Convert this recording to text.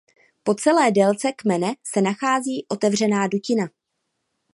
Po celé délce kmene se nachází otevřená dutina.